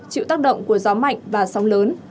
chịu tác động của gió mạnh và sóng lớn